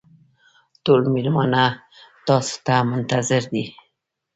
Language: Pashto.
ټول مېلمانه تاسو ته منتظر دي.